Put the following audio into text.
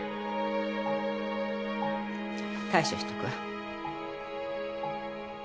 対処しとくわ。